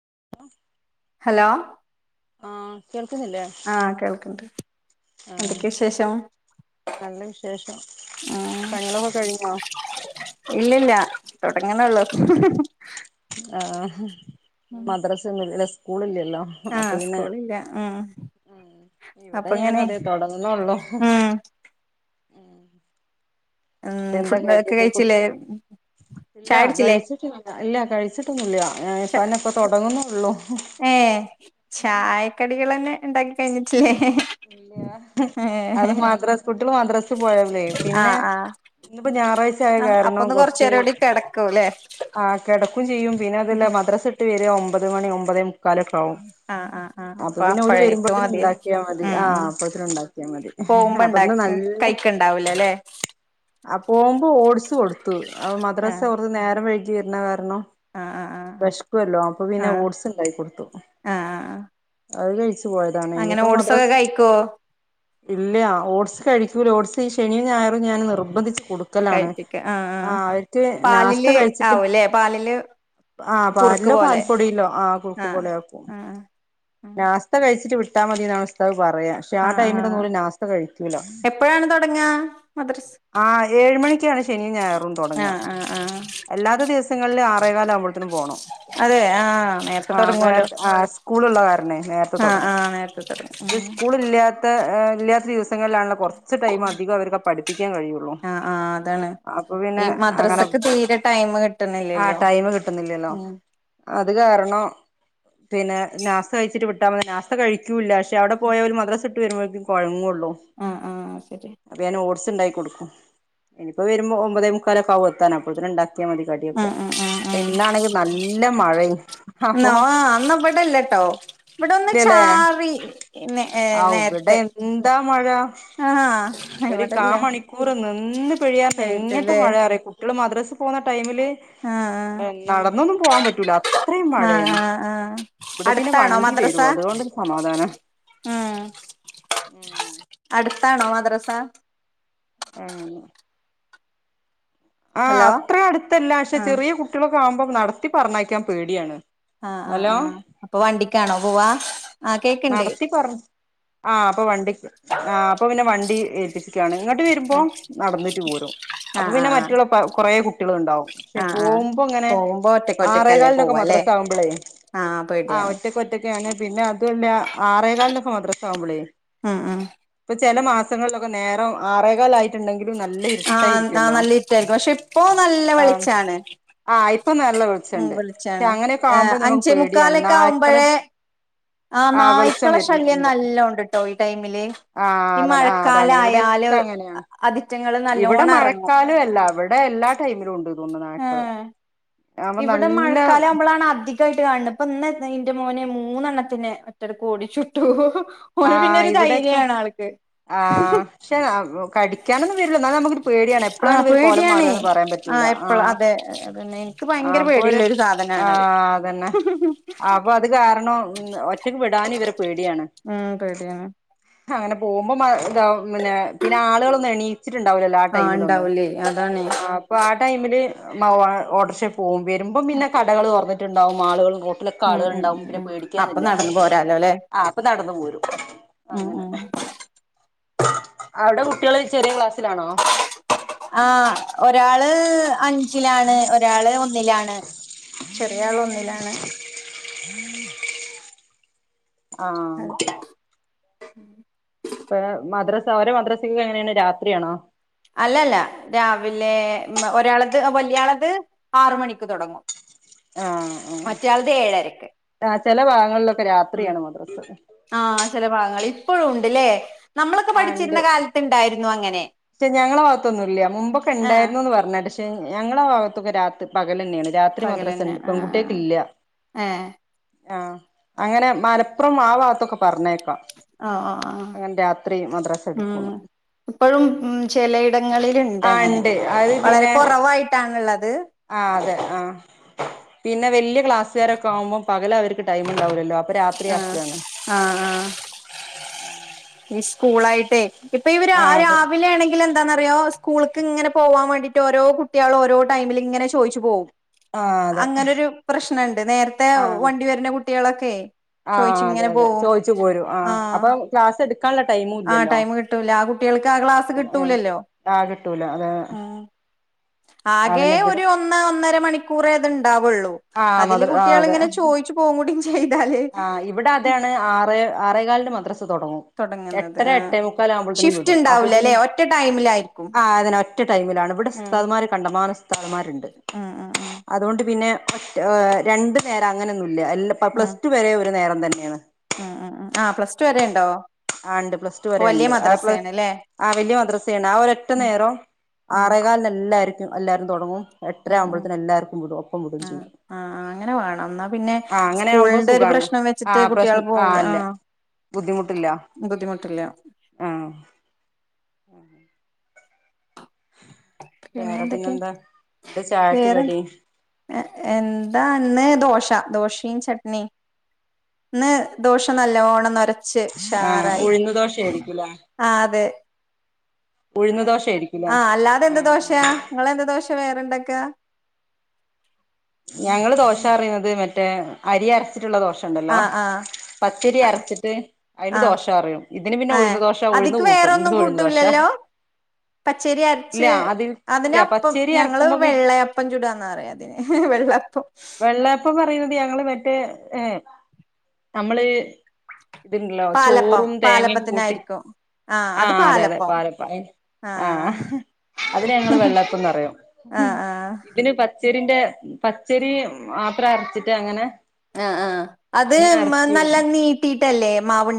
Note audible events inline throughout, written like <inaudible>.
<inaudible> Hello ആഹ് കേൾക്കുന്നില്ലേ ആ കേൾക്ക്ണ്ട് ആഹ് എന്തൊക്കെയ വിശേഷം നല്ല വിശേഷം. പണികളൊക്കെ കഴിഞ്ഞോ? ഇല്ലല്ല തുടങ്ങണേള്ളൂഹഹഹ ആ മദ്രസ ഒന്നും ഇല്ല സ്കൂൾ ഇല്ല <unintelligible> ആഹ് അപ്പപ്പിന്നെ സ്കൂളില്ല ഉം ഇവിടെ അപ്പൊ ഞാനും ഇങ്ങനെ അതേ തൊടങ്ങുന്നേ ഉള്ളൂ ഉം ഉം അ എന്താ ഫുഡ് ഒക്കെ കഴിച്ചില്ലേ ഇല്ല ചായുടിച്ചില്ലേ കഴിച്ചിട്ടില്ല ഇല്ല കഴിച്ചിട്ടൊന്നുല്ല, ഞാനിപ്പ തന്ന ഇപ്പ തുടങ്ങുന്നേള്ളൂ ഏ ചായക്കടികളെന്നെ ഇണ്ടാക്കി കഴിഞ്ഞിട്ടില്ലേ? ഇല്യ അത് ഏഹ് മദ്രസ് കുട്ടിയൊള് മദ്രസ് പോയതോൺട് പിന്നെ ആഹ് ആഹ് ഇന്ന്പ്പൊ ഞായറാഴ്ചായ ആഹ് കാരണം അപ്പൊന്ന് കൊറച്ച് കൊറച്ചേരൂടി കെടക്കൂല്ലേ ആ കെടക്കും ചെയ്യും പിന്നെ അതല്ല മദ്രസ് ഇട്ട് വരാ ഒമ്പത് മണി ഒമ്പതേ മു ക്കാലക്കാവും ആഹ് ആഹ് ആഹ് അപ്പ അപ്പൊ പിന്നെ അവര് അപ്പഴേക്ക് വരുമ്പോതിന് മതി ഉണ്ടാക്കിയാൽ മതി. ഉം ആഹ് ഉം അപ്പൊ ഇത്തിരി ഉണ്ടാക്കിയാ മതി പോകുമ്പോ അപ്പൊ ഇണ്ടാ ഇന്ന് നല്ല കഴിക്ക്ണ്ടാവൂലല്ലേ ആ പോവുമ്പോ ഓട്സ്‌ കൊടുത്തു മദ്രാസ ആഹ് അവര് നേരം വൈകി വരുന്ന കാരണം ആഹ് ആഹ് ആഹ് വെശ്ക്കല്ലോ അപ്പൊ പിന്നെ ആഹ് ഓട്സ് ഉണ്ടാക്കിക്കൊടുത്തു. ആഹ് ആഹ് അത് കഴിച്ചു. പോയതാണ് അങ്ങനെ ഇനിപ്പോ ഓട്സൊക്കെ മദ്രസ <unintelligible> ഇല്ല ഓട്സ് കഴിക്കൂല ഓട്സ് ഈ ശനിം ഞായറും ഞാൻ നിർബന്ധിച്ച് കൊടുക്കലാണ് കഴിപ്പിക്ക ആഹ് ആ ആഹ് അവർക്ക് നാസ്ത പാലില് കഴിച്ചിട്ട് ആവൂല്ലേ പാലില് ആ കുറുക്ക് പാലിലോ, പാൽ പോലെ പൊടീലോ ആ കുറുക്ക് ആഹ് പോലെ ആക്കും ആഹ് നാസ്ത കഴിച്ചിട്ട് വി ട്ടാ മതിന്നാണ് ഉസ്താദ് പറയാ പക്ഷെ ആ ആഹ് ടൈമിലൊന്നും ആഹ് ഓര് നാസ്ത കഴിക്കൂല എപ്പഴാണ് തൊടങ്ങാ മദ്രസ് ആ ഏഴ് മണിക്ക് ശനിയും ഞായറും തൊടങ്ങ. ആഹ് ആഹ് ആഹ് അല്ലാത്ത ദിവസങ്ങളിൽ ആറേകാലാവുമ്പോഴ്ത്തേനും പോണം. അതെ ആഹ് നേരത്തെ ആ നേർ തൊടങ്ങുവല്ലോ ആ സ്കൂളുള്ള കാരണെ നേരത്ത ആഹ് തൊടങ്ങും. ആഹ് നേരത്തെ തൊടങ്ങും ഇത് ഉം സ്കൂൾ ഇല്ലാത്ത ഇല്ലാത്ത ദിവസങ്ങളിലാണല്ലോ കൊറച്ച് കുറച്ച് ടൈം അധികം അവർക്ക് പഠിപ്പിക്കാൻ കഴിയുള്ളു, ആഹ് ആഹ് അതാണ് അപ്പ പിന്നെ ഈ അങ്ങനെ മദ്രസക്ക് തീരെ ടൈം ആ കിട്ടണില്ലല്ലോ ടൈമ് കിട്ടുന്നില്ലല്ലോ ഉം അത് കാരണം പിന്നെ നാസ്ത കഴിച്ചിട്ട് വിട്ടാ നാസ്ത കഴിക്കൂല്ല പക്ഷെ അവിടെ പോയാ മദ്രാസ ഇട്ട് വരുമ്പോഴേക്കും കൊഴങ്ങുള്ളൂ ആഹ് ആഹ് ശരിയാ അപ്പൊ ഞാൻ ഓട്സ് ഉണ്ടാക്കികൊടുക്കും. ഇനിപ്പോ വരുമ്പോ ഒമ്പതേ മുക്കാലൊക്കെ ആവുംഎത്താൻ. അപ്പഴ്‌ത്തേക്ക്നും ഉണ്ടാക്കി മതി കടിയൊക്കെ, ആഹ് ആഹ് ആഹ് അപ്പ ആഹ് ഇന്നാ ണെങ്കി നല്ല മഴയും അപ്പൊ ഇവിടെ ഒന്ന് ഇല്ലല്ലേ ചാറി നേ ഏഹ് ആ ഇവിടെ നേരത്തെ എന്താ മഴ ആഹ് ഒരു കാ ഇവിടില്ല മണിക്കൂർ നിന്ന്‌ പെയ്യാന്നേ എങ്ങനത്തെ വൈകിട്ടല്ലേ മഴ അറിയോ കുട്ടികൾ മദ്രസ പോകുന്ന ടൈമിൽ ആഹ് <unintelligible> നടന്നൊന്നും പോകാൻ പറ്റൂല അത്രയും ആഹ് ആഹ് മഴേണ്. ആഹ് ആഹ് ഇവിടെ പിന്നെ അടുത്താണോ വണ്ടി മദ്രസ വരൂം. അതുകൊണ്ടൊരു സമാധാനാ ഉം അടുത്താണോ മദ്രസ? ആ ആ ഹലോ അത്ര അടുത്തല്ല പക്ഷെ ആഹ് ചെറിയ കുട്ടികളൊക്കെ ആവുമ്പോ നടത്തി പറഞ്ഞയക്കാൻ പേടിയാണ്. ആ ആ ഹലോ ആ അപ്പ വണ്ടിക്കാണോ പോവാ ആഹ് കേക്ക്ണ്ട് നടത്തി പറഞ് ആ അപ്പൊ വണ്ടി ആ അപ്പൊ പിന്നെ വണ്ടി ഏൽപ്പിച്ച ക്കാണ് ഇങ്ങട്ട് വരുമ്പോ നടന്നിട്ട് പോരും അപ്പൊ ആഹ് പിന്നെ ആഹ് മറ്റുള്ള കുറേ കുട്ടികൾ ഉണ്ടാവും പക്ഷെ ആഹ് ആഹ് പോവുമ്പൊങ്ങനെ പോകുമ്പോ ആറേകാല്നെക്കെ മദ്രസ ആവ്മ്പളെ ആ പേടിയാണ് ങ്ങനെയാണ്പിന്നെ അതല്ല ആറേകാലിനൊക്കെ മദ്രസ ആവുമ്പോളേ ഉം ഉം ചെല മാസങ്ങളിലൊക്കെ നേരം ആറേകാലായി ട്ട്ണ്ടെങ്കിലും ആഹ് ആഹ് നല്ലയിരിട്ടായിരിക്കല്ലോ? നല്ല ഇരുട്ടായിരിക്കും പക്ഷെ ഇപ്പോ നല്ല ആം വെളിച്ചാണ് ആഹ് ആയിരി ഇപ്പം നല്ല ഉം വെളിച്ചണ്ട് ക്ഷെ വെളിച്ചാണ് അങ്ങനെയൊക്കെ ഏഹ് ആവുമ്പോ നമുക്ക് അഞ്ചേ പേടിയാണ്. നായ്ക്കള് ആ നായിക്കളശല്യം നല്ലോ ഇണ്ട്ട്ടോ. ആഹ് അതാണ് ആഹ് അതാണ് മഴക്കാലായാല് ഇവിടെക്കെ അങ്ങനെയാണ് അതിറ്റങ്ങൾ ഇവിടെ നല്ലോണം ഇറങ്ങും മഴക്കാലം അല്ല ഇവിടെ എല്ലാ ടൈമിലും ഉണ്ട് നായ്ക്കള് ആഹ് അപ്പൊ ഇവിടെ നല്ല മഴക്കാലം ആവുമ്പോളാണ് അധികം അടുത്തായിട്ട് കാണുന്നു ഇപ്പ ഇന്ന് ഇന്റെ മോന് മൂന്നെണ്ണത്തിനെ ഒറ്റടിക് ഓടിച്ചിട്ടു ആ് ഇവിടെയക്കെ ആഹ പക്ഷെ കടിക്കാനൊന്നും വരില്ല എന്നാലും നമുക്ക് പേ പേടിയാണ് എപ്ളാണ് ആഹ് ഇവര് കോലം പേടിയാണേ മാറാന്ന് പറയാൻ പറ്റൂല എപ്പളും ആഹ് അതെ പിന്നെ എനിക്ക് ആഹ് ഭയങ്കര അപ്പൊര് പേടിയുള്ള ഒരു ആ സാധനാണത് അതന്നെ അപ്പൊ അത് കാരണം ഒറ്റക്ക് വിടാൻ ഇവരെ പേടിയാണ് ഉം പേഡിയാണ് അങ്ങനെ പോകുമ്പോ മ ഇതാവും പിന്നെ പിന്നെ ആളുകളൊന്നും എണീക എണീറ്റിട്ടുണ്ടാവുലല്ലോ ആ ആഹ് ടൈമിലൊന്നും ഉണ്ടാവൂലേ അതാണ് അപ്പൊ ആ ടൈമില് ഓട്ടർഷേ പോവും വരുമ്പം പിന്നെ കടകൾ തൊർന്നിട്ടുണ്ടാവും ആളുകളും റോട്ടിലൊക്കെ ഉം ആളേ ഉം ള്ണ്ടാവും ഉം പിന്നെ ഉം അപ്പൊ പേടിക്കാനില്ല നടന്നു ആ ഹ് അപ്പൊ നടന്നു പോരും മ് മ് അങ്ങനെ അവിടെ കുട്ട്യേള് ചെറിയ ക്ലാസ ആഹ് ഒരാള് അഞ്ച് അഞ്ചിലാണ് ഒരാള് ഒന്നിലാണ് ചെറിയ ആൾ ഒന്നിലാണ് <inaudible> ആഹ് മ് ഔടെ മദ്രസക്കെ എങ്ങനെയാണ് രാത്രിയാണോ അല്ലല്ല രാവിലെ ഒരാളത് വലിയാളത് ആറ് മണിക്ക് തുടങ്ങും ആഹ് മറ്റേയാളത് ഏഴരക്ക് ആഹ് ചെല ഭാഗങ്ങളിലൊക്കെ രാത്രിയാണ് മദ്രസ് ആഹ് ചെല ഭാഗങ്ങൾ ഇപ്പോഴും ഉണ്ട്ല്ലേ നമ്മളൊക്കെ ആ ഉണ്ട് പഠിച്ചിരുന്ന കാലത്ത്ണ്ടായിരുന്നു അങ്ങനെ പക്ഷെ ഞങ്ങളെ ഭാഗത്തൊന്നും ഇല്ല മുമ്പൊക്കെ ആ ഉണ്ടായിരുന്നുന്ന് പറഞ്ഞ പക്ഷേ ഞങ്ങളുടെ ഭാഗത്തൊക്കെ രാത്രിയല്ല പകലാ പകലെന്നേണ് രാത്രി മദ്രസ പകലന്നെ ണ്ട് ആ പെൺകുട്ട്യോക്ക് ഇല്ല ആ. ഏ ആഹ അങ്ങനെ മലപ്പുറം ആ വാത്തൊക്കെ പറഞ്ഞേക്ക ഓ ഓ ഓ. പ്പ അങ്ങനെ രാത്രി മദ്രാസ ഇട്ക്കുന്ന് ഇപ്പളും ചിലയിടങ്ങളില്ണ്ട് അങ്ങനെ ഉണ്ട് വളരെ കുറവായിട്ടാണുള്ളത് ആഹ് അതെ ആഹ് പിന്നെ വല്ല്യ ക്ലാസ്സുകാരൊക്കെ ആവുമ്പോ പകല അവർക്ക് ടൈം ഇണ്ടാവുലല്ലോ അപ്പൊ ആ രാത്രിയാക്കാണ് ആ ആ ഈ സ്കൂളായിട്ടേ ഇപ്പ ഇവര് ആ അതെ രാവിലെ ആണെങ്കിൽ എന്താന്നറിയോ സ്കൂൾക്ക് ഇങ്ങനെ പോവാൻ വേണ്ടിട്ട് ഓരോ കുട്ട്യേളും ഓരോടൈമിൽ ഇങ്ങനെ ചോയ്ച്ച് പോവും ആ അതെ ഹ് പ്രശ്നണ്ട് നേരത്തെ വണ്ടി വരുന്ന കുട്ടികളൊക്കെ ആഹ് അതെ ചോയിച്ചിങ്ങനെ അതെ പോവും. ചോയ്ച്ച് പോരും ആ ആഹ് അപ്പൊ ക്ലാസ് എടു കാള്ള ടൈമു ആഹ് ഇല്ലല്ലോ ടൈം കിട്ടൂല. ആ കുട്ടികൾക്ക് ആ ക്ലാസ് ആ കിട്ടൂലല്ലോ. ആഹ് കിട്ടൂല അതെ ഉം ആകെ അതിന് ഇവിടെ ഒരു ഒന്ന്ഒന്ന്ര മണിക്കൂറേ അതുണ്ട് ഉണ്ടാവുള്ളൂ ആ അതില് മദ്ര ആ കുട്ട്യേൾ അതെ ഇങ്ങനെ ചോയ്ച്ച് പോകുടി ചെ ആ ഇവിടെ അതാണ് ആ റേ ആറേകാലിന്റെ മദ്റസ് തുടങ്ങും തൊടങ്ങുന്നത് എട്ടര ആഹ് എട്ടേ മുക്കാൽ ആവുമ്പോഴത്തേനും ഷിഫ്റ്റ് വിടും അപ്പൊ ഇണ്ടാവൂലല്ലേ പിന്നെ ഒറ്റ ടൈമിലായിരിക്കും. ആ അതന്നെ ടൈമിലാണ് ഇവിടെ ഉം ഉസ്താദ് മാര് കണ്ടമാനം ഉസ്താദ് മാരുണ്ട് ഉം ഉം ഉം അതുകൊണ്ട് പിന്നെ മ രണ്ടു നേരം അങ്ങനൊ ഒന്നുമല്ല എല്ല ഉം പ്ലസ് ടു വരെ ഒരു നേരം തന്നെയാണ് ഉം ഉം ഉം ആ പ്ലസ ടു വരെ ഉണ്ടോ ആ ഉണ്ട് പ്ലസ് ടു വരെ ഉണ്ട് ആ പ്ല ല്ലേ? ആ വലിയ മദ്രസയാണ് ആ ഒര് ഒറ്റ ഉം നേരം ഉം ആറേകാലിന് എല്ലാരും തുടങ്ങും ഉം എട്ടയാവുമ്പഴേതേന് എല്ലാവർക്കും വിടും ഒപ്പം വിടും ചെയ്യും ആ അങ്ങനെ വേണം എന്നാ പിന്നെ ആ അങ്ങനെ ആവുമ്പോ സ്കൂളിന്റെ ഒരു സുഖാണ് പ്രശ്നം ആ വെച്ചിട്ട് കുട്ടികൾ പ്രശ്ന പോകൂല ആ അല്ല ബുദ്ധിമുട്ടില്ല ബുദ്ധിമുട്ടില്ല ആ പിന്നെ വേറെ എന്തൊക്കെയ പിന്നെന്താ എന്താ ചായക്ക് വേറെന്താ കടി ഏ എന്താ ഇന്ന് ദോശ ദോശയും ചട്നി ഇന്ന് ദോശ നല്ലോണം നൊര ച്ച് ആ ഷാറായി ഉഴുന്ന് ദോശയായിരിക്കൂലേ ആ അതെ ഉഴുന്ന് ദോശയായിരിക്കുംല്ലേ ആ അല്ലാതെ എന്ത് ദോശയാ നിങ്ങളെന്ത് ദോശ പ്പ വേറെണ്ടൊക്കാ ഞങ്ങള് ദോശ അറിയുന്നത് മറ്റേ അരി അരച്ചിട്ടുള്ള ദോശണ്ടല്ലോ ആഹ് ആഹ് പച്ചരി അരച്ചിട്ട് അതിന് ആഹ് ദോശ പറയും ഇതിന് പിന്നെ ഏഹ് ഉഴുന്ന് ദോശ ഉഴുന്ന് അതിക്ക് കൂട്ടും വേറൊന്നും ഉഴുന്ന് ദോശ കൂട്ടൂലല്ലോ പച്ചരി ഇല്ല അരച്ച് അതിൽ അതിന് ഇല്ല അപ്പം പച്ചേരി ഞങ്ങള് അരക്കുമ്പോ വെള്ളയപ്പം ചൂടുകാന്നാ പറയുക അതിന് വെള്ളപ്പം ഇ പറയുന്നത് ഞങ്ങള് മറ്റേ ഏ നമ്മള് ഇത്ണ്ടല്ലോ പാലപ്പം ചോറും തേങ്ങയൊക്കെ കൂട്ടി പാലപ്പത്തിനായിരിക്കും ആഹ് ആ അത് അതെ അതെ പാലപ്പം ആ ആഹ് അതിന് ഞങ്ങള് വെള്ളപ്പംന്ന് പറയും ആഹ് ആഹ് ഇതിന് പച്ചരിൻ്റ പച്ചരി മാത്രം അരച്ചിട്ട് അങ്ങനെ ആ ആ അത് അങ്ങനെ എറച്ചി നല്ല നീട്ടിട്ടല്ലേ മാവ്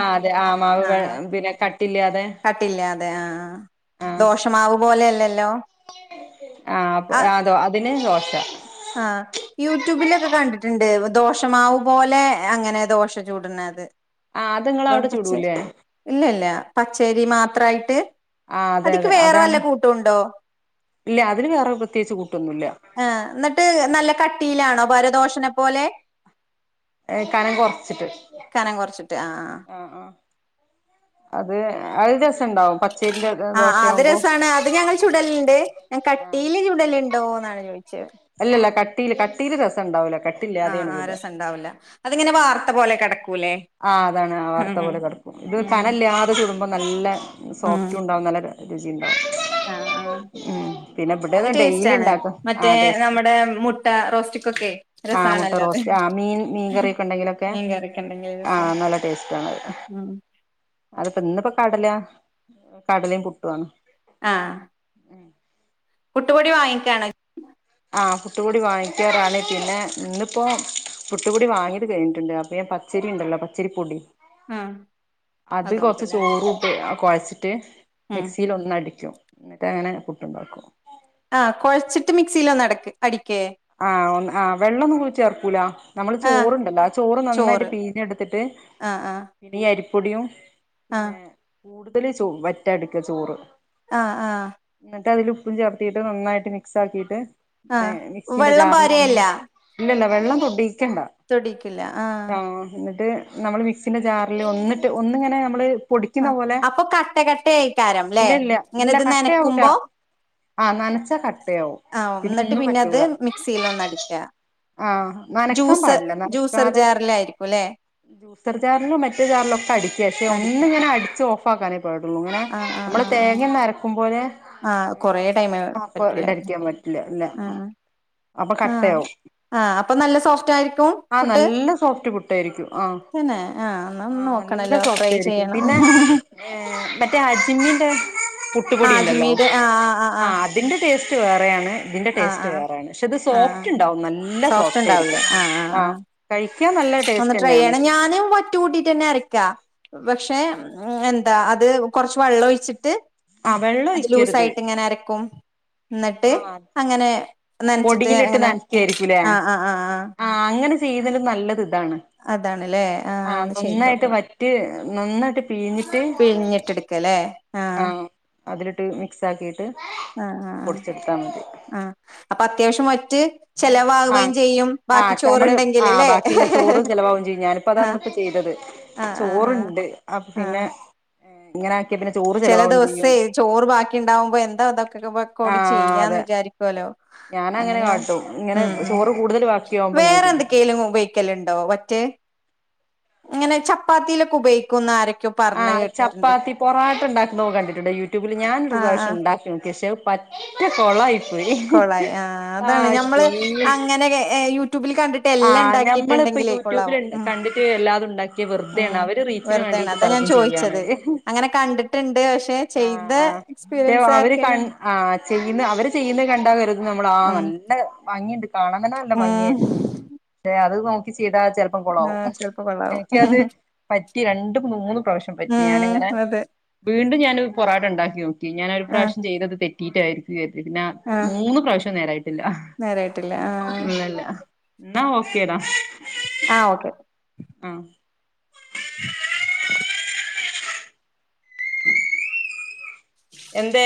ആ അതെ ആ മാവു പിന്നെ കട്ടി ഇല്ല്യാ കട്ടി ഇല്ലാതെ അതെ ആ ദോശമാവു പോലെ അല്ലല്ലോ ആ അപ്പൊ അതോ അതിന് ദോശ ആ യൂട്യൂബിലൊക്കെ കണ്ടിട്ടുണ്ട് ദോശമാവു പോലെ അങ്ങനെ ദോശ ചൂടണത് ആ അത് നിങ്ങള അവിടെ പച്ച ചുടൂലേ ഇല്ല ഇല്ല പച്ചൈരി മാത്രായിട്ട് ആ അതെ അതിക്ക് അതെ വേറെ വല്ല അതാണ് കൂട്ടും ഉണ്ടോ ഇല്ല അതിന് വേറെ പ്രത്യേകിച്ച് കൂട്ടൊന്നുമല്ല എന്നിട്ട് നല്ല കട്ടിയിലാണോ പാര് ദോശനെ പോലെ ഏ കനം കുറച്ചിട്ട് ആ ആ അത് അത് ജെസ് പച്ചരിന്റെ ആ അത് രസമാണ് അത് ഞങ്ങള് ചുടലുണ്ട് ഞാൻ ആ കട്ടീല് ചുടലുണ്ടോ എന്നാണ് ചോദിച്ചത് അല്ലല്ല കട്ടീയില് കട്ടീയില് രസം ഉണ്ടാവൂല ആ ആ രസം ഉണ്ടാവില്ല അതിങ്ങനെ വാർത്ത പോലെ കിടക്കൂലേ ആ അതാണ് ആ വാർത്ത പോലെ കിടപ്പും ഇത് കനല്ലാതെ ചുടും നല്ല ഉം സോഫ്റ്റും ഉണ്ടാവുന്ന നല്ല രുചിയിണ്ട് ആഹ് ആഹ് ഉം പിന്നെ അത് ഇവിടെന്ന് ഡെലി ടേസ്റ്റാണ് ഉണ്ടാക്കും ആ മറ്റേ ടേസ്റ്റ് നമ്മുടെ മുട്ട റോസ്റ്റ്കൊക്കേ ആ മുട്ട രസാണല്ലോ അത് റോസ്റ്റ് ആ മീൻ മീൻ കറിയൊക്കെ ഉണ്ടെങ്കിലൊക്കെ <unintelligible> ആ നല്ല ടേസ്റ്റ് ആണത് ഉം അത്പ്പോ ഇന്നിപ്പോ കടല കടലയും പുട്ടുവാണ് ആ പുട്ടുപൊടി വാങ്ങിക്കുവാണോ ആ പുട്ടുപൊടി വാങ്ങിക്കാറാണ് പിന്നെ ഇന്നിപ്പോ പുട്ടപൊടി വാങ്ങിയത് കഴിഞ്ഞിട്ടുണ്ട് അപ്പൊഞാൻ പച്ചരിയുണ്ടല്ലോ പച്ചരിപ്പൊടി ആഹ് അത് കൊറച്ച് അതുകൊണ്ടല്ലേ ചോറുട്ട് കൊഴച്ചിട്ട് ഉം മിക്സിലൊന്നടിക്കും എന്നിട്ട് അങ്ങനെ പുട്ടുണ്ടാക്കും ആഹ് കൊഴച്ചിട്ട് മിക്സിയിലോന്നടക്ക് അടി ആഹ് ഒന്ന് ആ വെള്ളൊന്നും കൂടി ചേർക്കൂല നമ്മള് ആഹ് ചോറ്ണ്ടല്ലോ ആ ചോറ് നന്നായിട്ട് പീഞ്ഞെടുത്തിട്ട് ആഹ് ആഹ് പിന്നെ ഈ അരിപ്പൊടിയും ആഹ് പിന്നെ കൂടുതൽ ചോ വറ്റാട്ക്ക ചോറ് ആഹ് ആഹ് ട്ടതിലുപ്പും ചേർത്തിട്ട് നന്നായിട്ട് മിക്സ് ആക്കിയിട്ട് ആഹ് മിക്സീന്റെ വെള്ളം ജാറിൽ ഒന്ന് പാരേല്ല ഇല്ലല്ല വെള്ളം തൊടീക്കണ്ട ആഹ് ഇന്നട്ട് നമ്മള് മിക്സിന്റെ ജാറില് ഒന്നിട്ട് ഒന്നിങ്ങനെ നമ്മള് പൊടിക്കുന്ന ആഹ് പോലെ അപ്പൊ കട്ട കട്ടയായിക്കാരം ല്ലേ ഇല്ലല്ല ഇങ്ങനെ ഇല്ല ഇത് കട്ടയാവൂല്ല നനക്കുമ്പോ ആഹ് നനച്ചാ കട്ടയാവും പിന്നൊന്നും പറ്റൂല സീലൊന്നടിക്കാ ആ നനക്കാൻ ജൂസ പാടില്ല ജൂസർ നനക്കാതെ ജാറിലായിരിക്കുംലേ ജ്യൂസർ ജാറിലോ മറ്റേജാറിലൊക്കെ അടിക്ക പക്ഷെ അടിക്ക ഒന്നിങ്ങനെ അടിച്ചു പാടു ഇങ്ങനെ ആഹ് ആഹ് നമ്മള് ആഹ് ആഹ് തേങ്ങൊന്നരക്കും പോലെ ആഹ് അങ്ങനെ കൊറേ ടൈം ആ പറ്റില്ല കൊറെണ്ടടിക്കാൻ പറ്റില്ല ഇല്ല ആഹ് അപ്പൊ ആഹ് കട്ടയാവും ആഹ് അപ്പൊ നല്ല സോഫ്റ്റ് ആയിരിക്കും ആ പുട്ട് നല്ല സോഫ്റ്റ് പുട്ടായിരിക്കും ആഹ് തന്നെ ആഹ് എന്നാ ഒന്ന് ആഹ് നല്ല നോക്കണല്ലോ ട്രൈ സോഫ്റ്റായിരിക്കും ചെയ്യണം പിന്നെ മറ്റേ അജ്മി ന്റെ ആഹ് പുട്ട്പൊടിയുണ്ടല്ലോ അജ്മീട് ആഹ് ആഹ് ആ ആഹ് അതിന്റെ ടേസ്റ്റ്‌ വേറെയാണ് ഇതിന്റെ ആഹ് ടേസ്റ്റ് ആഹ് ആഹ് വേറെയാണ് പക്ഷെ അത് ആഹ് സോഫ്റ്റ്ണ്ടാവും നല്ല സോഫ്റ്റായിരിക്കും ആഹ് കഴിക്കാൻ നല്ല ഒന്ന് ട്രൈ ടേസ്റ്റെന്നെയാണ് ചെയ്യണം പക്ഷെ ഞാനും വറ്റ് കൂട്ടിയ്ട്ടെന്നെ അരക്കാ പക്ഷെ എന്താ അത് കൊറച്ച് വെള്ളഒഴിച്ചിട്ട് ആ വെള്ളം അത് ഒഴിക്കരുത് ലൂസായിട്ടിങ്ങനെ അരക്കും എന്നിട്ട് ആ അങ്ങനെ നനച്ചിട്ട് പൊടിയിലിട്ട് അങ്ങനെ നനക്കായിരിക്കുലേ ആഹ് ആഹ് ആഹ് ആഹ് അങ്ങനെ ചെയ്യുന്നതിലും നല്ലത് ഇ താണ് അതാണ്ല്ലേ ആഹ് ആ ഒന്ന് ചെയ്ത് നന്നായിട്ട് നോക്കണം വറ്റ് നന്നായി ട്ട് പിഴിഞ്ഞിട്ട് പിഴിഞ്ഞിട്ടെടുക്കല്ലേ ആ ആഹ് അതിലിട്ട് മിക്സാക്കി ആഹ് ആ ആ ആ അപ്പൊ അത്യാവശ്യം വറ്റ് ആഹ് ചെലവാകുകയും ചെയ്യും ബാക്കി ആഹ് നമ്മള് ആ ചോറുണ്ടെങ്കില് ല്ലേ ബാക്കിയുള്ള ചോറ് ചിലവാവും ചെയ്യും ഞാനിപ്പോ ആഹ് അതഇന്നിപ്പം ചെയ്തത് ആഹ് ആഹ് ആഹ് ചോറ്ണ്ട് അപ്പപ്പിന്നെ ആഹ് ഇങ്ങനാ ചില ദിവസേ ചോറ് ബാക്കിയ്ണ്ടാവുമ്പോ എന്താ അതൊക്കെക്കൂടി ആഹ് അതെ ചെയ്യാന്ന്വിചാരിക്കുവല്ലോ ഞാനങ്ങനെ കാട്ടും ഇങ്ങനെ ഉം ചോറ് കൂടുതൽ ബാക്കിയാവുമ്പോ ഇങ്ങനെ വേറെ ചെയ്യും എന്ത്ക്കെലും ഉപയോഗിക്കലുണ്ടോ വറ്റ് എങ്ങനെ ചപ്പാത്തിയിലൊക്കുപയോഗിക്കുംന്നാരൊക്കെയോ പറഞ്ഞത് കേട്ടിട്ടുണ്ട് പാട്ട്ണ്ടാകുമ്പൊ കണ്ടിട്ടുണ്ട് യൂട്യൂബിൽ ആഹ് ആഹ് ഞാനൊരുപ്രാവശ്യണ്ടാക്കി നോക്കി പക്ഷേ പറ്റ കൊളായി പോയി കൊളായി ആഹ് അതാണ് ആഹ് തീ ഞമ്മള് അങ്ങനെ യൂട്യൂബിൽ കണ്ടിട്ട് എല്ലാം ആഹ് ഞമ്മളിപ്പോ ഉണ്ടാക്കിയിട്ടുണ്ടെങ്കിലേ യൂട്യൂബില് കൊള്ളാവും ഉം കണ്ടിട്ട് എല്ലാതും ഉണ്ടാക്കിയ വെറുതെയാണ് ഉം അവര് റീച്ചിന് വേ വെറുതെയാണ് ണ്ടീട്ട് അതാ ഞാൻ പലതും ചോദിച്ചത് ചെയ്യാണവര് അങ്ങനെ കണ്ടിട്ടുണ്ട് പക്ഷെ ആ ചെയ്ത ആഹ് മറ്റെ എക്സ്പീരിയൻസ് അവര് ആർക്കെല്ലാം കൺ ഉണ്ട് ആഹ് ചെയ്യ്ണ അവര് ചെയ്യുന്ന കണ്ടാകരുതും നമ്മൾ ആ ഉം നല്ല ഭംഗിയുണ്ട് കാണാൻ തന്നെ നല്ല ഉം ഭംഗിയായിരിക്കും ഷെ അത് നോക്കി ചെയ്താ ചെലപ്പം കുളാവും ആഹ് ചെലപ്പോ കൊള്ളാവും എനിക്കത് പറ്റി രണ്ടും മൂന്നും പ്രാവശ്യം പറ്റി ഉം ഞാനിങ്ങനെ അതെ വീണ്ടും ഞാൻ പൊറാട്ടണ്ടാക്കി നോക്കി ഞാനൊരു ആഹ് പ്രാവശ്യം ചെയ്തത് തെറ്റിട്ടായിരിക്കും പിന്നെ ആഹ് മൂന്ന് പ്രാവശ്യും നേരായിട്ടില്ല നേരായിട്ടില്ല ആഹ് ഇല്ലല്ല എന്നാ ഓക്കേടാ ആഹ് ഓക്കെ ആഹ് എന്തേ